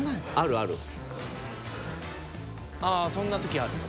ああそんな時あるよ。